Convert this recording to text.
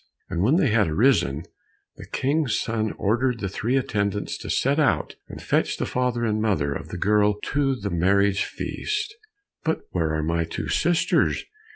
And when they had arisen, the King's son ordered the three attendants to set out and fetch the father and mother of the girl to the marriage feast. "But where are my two sisters?"